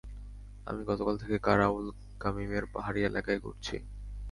আমি গতকাল থেকে কারাউল গামীমের পাহাড়ী এলাকায় ঘুরছি।